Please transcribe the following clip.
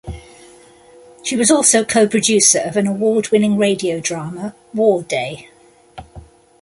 She was also co-producer of an award-winning radio drama, "War Day".